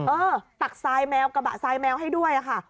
เออตักซายแมวกระบะซายแมวให้ด้วยค่ะ